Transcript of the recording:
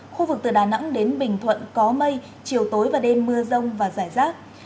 khu vực từ đà nẵng đến bình thuận có mây chiều tối và đêm mưa rông và rải rác